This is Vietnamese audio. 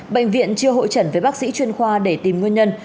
bệnh viện chưa hội trần với bác sĩ chuyên khoa để tìm nguyên nhân